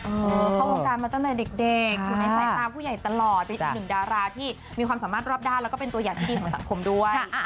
เข้าวงการมาตั้งแต่เด็กอยู่ในสายตาผู้ใหญ่ตลอดเป็นอีกหนึ่งดาราที่มีความสามารถรอบด้านแล้วก็เป็นตัวอย่างที่ดีของสังคมด้วย